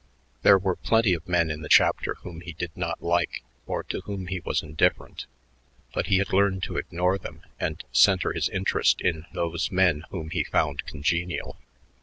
There were plenty of men in the chapter whom he did not like or toward whom he was indifferent, but he had learned to ignore them and center his interest in those men whom he found congenial.